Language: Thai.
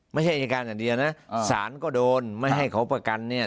ไม่ใช่อายการอย่างเดียวนะสารก็โดนไม่ให้เขาประกันเนี่ย